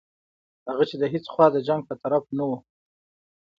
هغه چې د هیڅ خوا د جنګ په طرف نه وو.